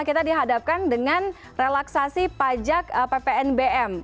kita dihadapkan dengan relaksasi pajak ppnbm